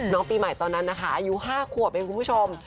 น้องปีใหม่ตอนนั้นอายู๕ขวแม่งคุณผู้ชม